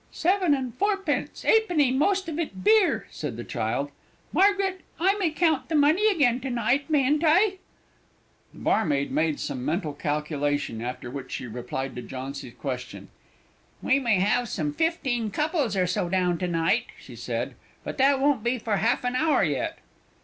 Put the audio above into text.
"Seven and fourpence 'ap'ny most of it beer," said the child. "Margaret, I may count the money again to night, mayn't I?" The barmaid made some mental calculation, after which she replied to Jauncy's question. "We may have some fifteen couples or so down to night," she said; "but that won't be for half an hour yet."